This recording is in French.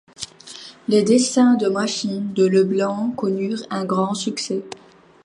Les dessins de machines de Leblanc connurent un grand succès.